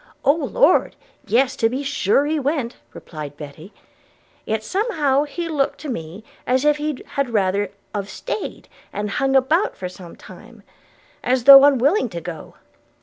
'Oh, Lord! yes, to be sure he went,' replied Betty; 'yet somehow he look'd to me as if he had rather of stay'd, and hung about for some time, as thof unwilling to go.